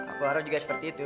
aku harap juga seperti itu